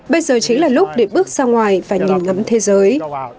bây giờ chính là lúc để bước ra ngoài và nhìn ngắm thế giới